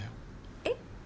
えっ？